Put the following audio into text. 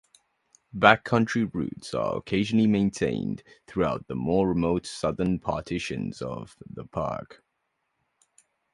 Backcountry routes are occasionally maintained throughout the more remote southern portion of the park.